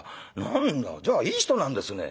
何だじゃあいい人なんですね」。